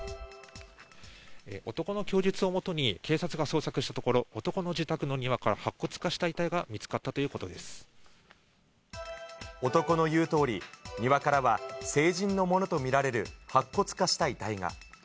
男の供述を基に、警察が捜索したところ、男の自宅の庭から白骨化した遺体が見つかったという男の言うとおり、庭からは、成人のものと見られる白骨化した遺体が。